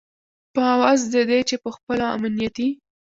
په عوض د دې چې په خپلو امنیتي